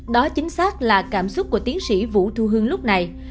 đó chính xác là cảm xúc của tiến sĩ vũ thu hương lúc này